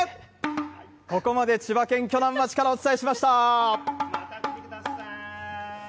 ここまで千葉県鋸南町からお伝えしました。